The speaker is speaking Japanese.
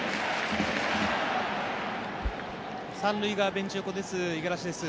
３塁側ベンチ横の五十嵐です。